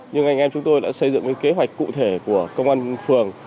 nhưng anh em chúng tôi đã xây dựng kế hoạch cụ thể của công an phường